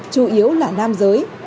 chủ yếu là nam giới